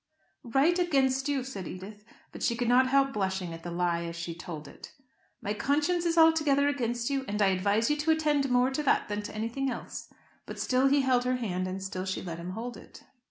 "Right against you," said Edith. But she could not help blushing at the lie as she told it. "My conscience is altogether against you, and I advise you to attend more to that than to anything else." But still he held her hand, and still she let him hold it.